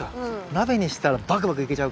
鍋にしたらバクバクいけちゃうか。